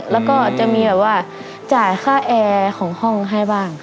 แล้วก็จะมีแบบว่าจ่ายค่าแอร์ของห้องให้บ้าง